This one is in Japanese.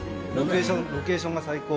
ロケーションが最高。